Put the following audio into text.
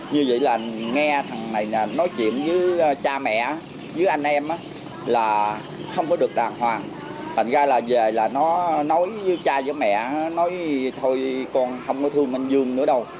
nó nói với cha với mẹ nói thôi con không có thương anh dương nữa đâu